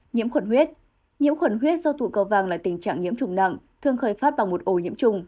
nhiễm khuẩn huyết do tụ cầu vang là tình trạng nhiễm trùng nặng thường khởi phát bằng một ổ nhiễm trùng